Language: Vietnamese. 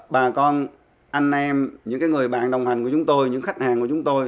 bà con anh em những người bạn đồng hành của chúng tôi những khách hàng của chúng tôi